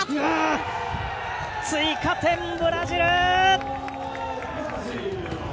追加点、ブラジル！